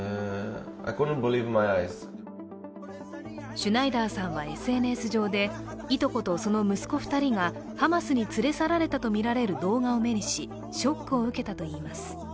シュナイダーさんはＳＮＳ上でいとことその息子２人がハマスに連れ去られたとみられる動画を目にしショックを受けたといいます。